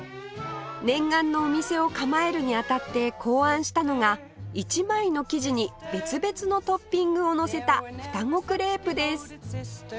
念願のお店を構えるにあたって考案したのが１枚の生地に別々のトッピングをのせた双子クレープです